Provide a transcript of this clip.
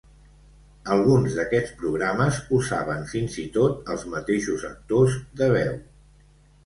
Alguns d'aquests programes usaven fins i tot els mateixos actors de veu.